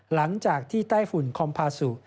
หลังจากที่ใต้ฝุ่นคอมพาสุ